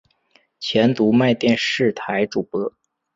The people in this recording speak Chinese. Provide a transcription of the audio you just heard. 前读卖电视台主播。